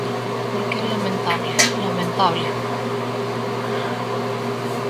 Porque é lamentable, ¡lamentable!